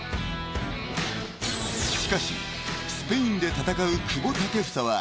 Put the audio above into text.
［しかしスペインで戦う久保建英は］